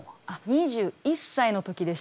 ２１歳の時でした。